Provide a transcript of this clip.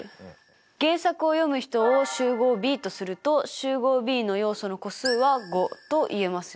原作を読む人を集合Ｂとすると集合Ｂの要素の個数は５と言えますよね。